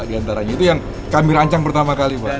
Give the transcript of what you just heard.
itu yang kami rencang pertama kali pak